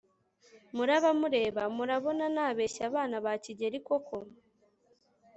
muraba mureba. murabona nabeshya abana ba kigeli koko